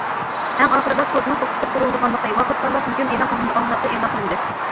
ئەڭ ئاخىرىدا سوتنىڭ توختىتىپ تۇرۇلىدىغانلىقى، ۋاقىت تاللاپ ھۆكۈم ئېلان قىلىنىدىغانلىقى ئېلان قىلىندى.